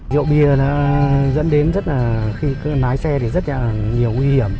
rượu bia nó dẫn đến rất là khi lái xe thì rất là nhiều nguy hiểm